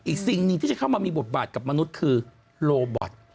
สิ่งหนึ่งที่จะเข้ามามีบทบาทกับมนุษย์คือโลบอต